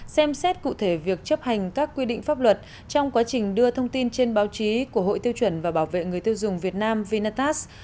xem xét cụ thể việc chấp hành các quy định pháp luật trong quá trình đưa thông tin trên báo chí của hội tiêu chuẩn và bảo vệ người tiêu dùng việt nam vinatax